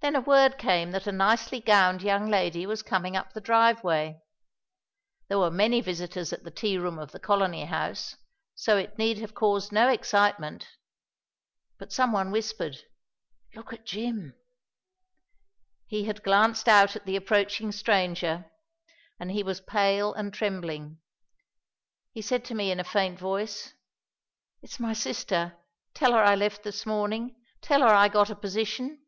Then a word came that a nicely gowned young lady was coming up the driveway. There are many visitors at the Tea Room of the Colony House so it need have caused no excitement. But some one whispered "Look at Jim!" He had glanced out at the approaching stranger, and he was pale and trembling. He said to me in a faint voice, "It's my sister. Tell her I left this morning.... Tell her I got a position."